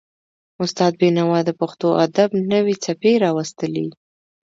استاد بینوا د پښتو ادب نوې څپې راوستلې.